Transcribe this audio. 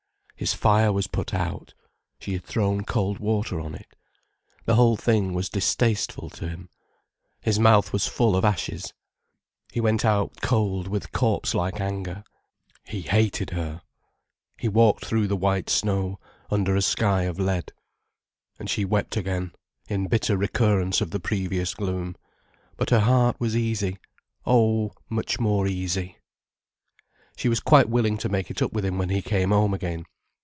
His fire was put out, she had thrown cold water on it. The whole thing was distasteful to him, his mouth was full of ashes. He went out cold with corpse like anger, leaving her alone. He hated her. He walked through the white snow, under a sky of lead. And she wept again, in bitter recurrence of the previous gloom. But her heart was easy—oh, much more easy. She was quite willing to make it up with him when he came home again.